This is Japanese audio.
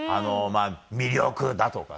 魅力だとかさ。